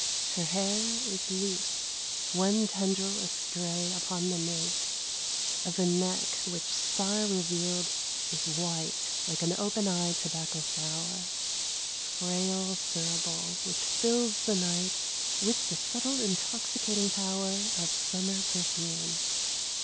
Her hair is loose. One tendril astray upon the nape 1: The Betrothal of Priapus. Of a neck which star revealed is white Like an open eyed tobacco flower — Frail thurible which fills the night With the subtle intoxicating power Of summer perfume.